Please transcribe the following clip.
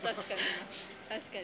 確かに。